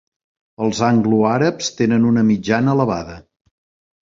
Els anglo-àrabs tenen una mitjana elevada.